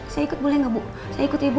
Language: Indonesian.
saya ikut boleh gak bu saya ikut ya bu